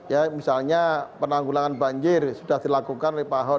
ya misalnya penanggulangan banjir sudah dilakukan oleh pak ahok